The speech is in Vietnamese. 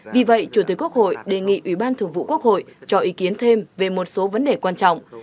vì vậy chủ tịch quốc hội đề nghị ủy ban thường vụ quốc hội cho ý kiến thêm về một số vấn đề quan trọng